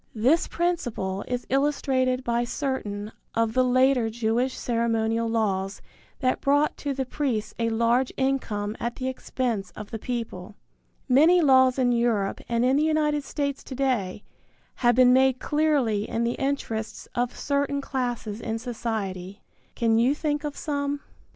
This principle is illustrated by certain of the later Jewish ceremonial laws that brought to the priests a large income at the expense of the people. Many laws in Europe and in the United States to day have been made clearly in the interests of certain classes in society. Can you think of some? III.